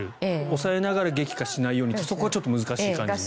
抑えながら激化しないようにちょっと難しいという。